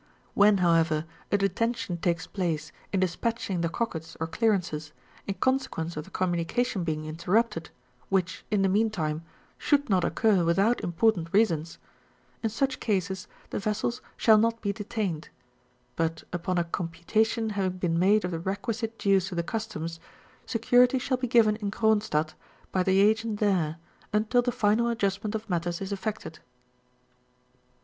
When, however, a detention takes place in dispatching the cockets or clearances, in consequence of the commimica tion being interrupted, which, in the meantime, should not occur without important reasons, in such cases liie vessels shall not be detained; but upon a computation having been made of the requisite dues to the Customs, security shall be given m Cronstadt by the agent there, untu the final adjustment of matters is effected.